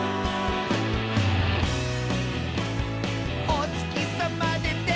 「おつきさまでて」